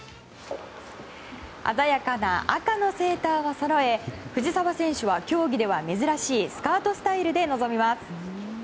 鮮やかな赤のセーターをそろえ藤澤選手は競技では珍しいスカートスタイルで臨みます。